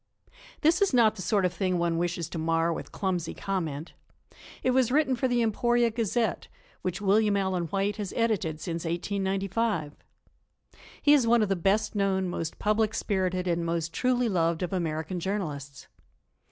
This is not the sort of thing one wishes to mar with clumsy comment. It was written for the Emporia Gazette, which William Allen White has edited since 1895. He is one of the best known, most public spirited and most truly loved of American journalists.